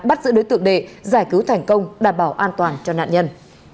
bắt giữ đối tượng đệ giải cứu thành công đảm bảo an toàn cho nạn nhân